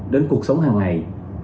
đến cuộc sống hàng ngày